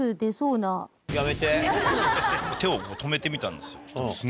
手を止めてみたんですよ。